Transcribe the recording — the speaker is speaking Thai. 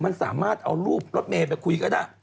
มันสามารถเอารูปรถเมย์ไปคุยก็ได้